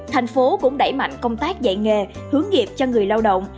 thành phố cũng đẩy mạnh công tác dạy nghề hướng nghiệp cho người lao động